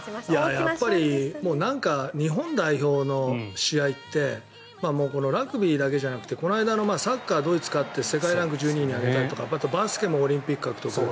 やっぱり日本代表の試合ってこのラグビーだけじゃなくてこないだのサッカードイツに勝って世界ランク１２位に上げたとかバスケもオリンピック獲得。